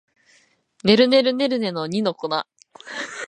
ねるねるねるねの二の粉